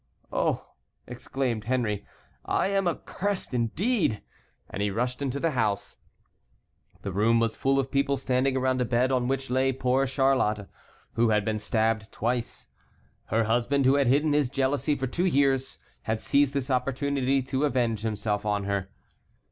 "Oh!" exclaimed Henry, "I am accursed indeed!" and he rushed into the house. The room was full of people standing around a bed on which lay poor Charlotte, who had been stabbed twice. Her husband, who had hidden his jealousy for two years, had seized this opportunity to avenge himself on her.